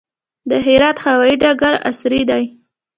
د هرات هوايي ډګر عصري دی